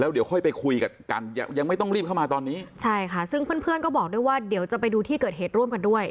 เดี๋ยวค่อยไปคุยกันกันยังไม่ต้องรีบเข้ามาตอนนี้ใช่ค่ะซึ่งเพื่อนเพื่อนก็บอกด้วยว่าเดี๋ยวจะไปดูที่เกิดเหตุร่วมกันด้วย